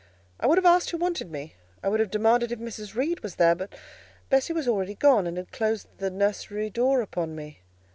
I would have asked who wanted me: I would have demanded if Mrs. Reed was there; but Bessie was already gone, and had closed the nursery door upon me.